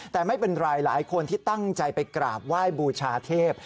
แต่ไม่เป็นไรหลายคนที่ตั้งใจไปกราบไหว้บูชาเทพ